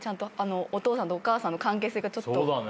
お父さんとお母さんの関係性が。